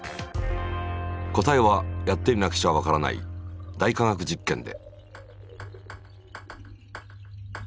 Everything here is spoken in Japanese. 答えはやってみなくちゃわからない「大科学実験」で。